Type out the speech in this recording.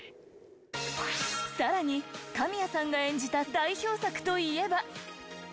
更に神谷さんが演じた代表作といえば。